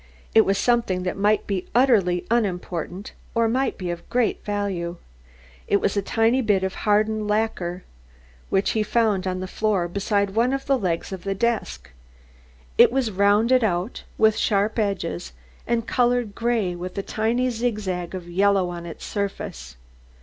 It was something that might be utterly unimportant or might be of great value. It was a tiny bit of hardened lacquer which he found on the floor beside one of the legs of the desk. It was rounded out, with sharp edges, and coloured grey with a tiny zigzag of yellow on its surface.